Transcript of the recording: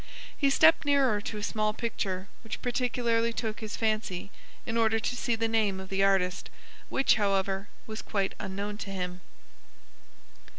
He stepped nearer to a small picture which particularly took his fancy in order to see the name of the artist, which, however, was quite unknown to him.